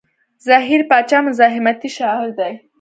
زهير باچا مزاحمتي شاعر دی.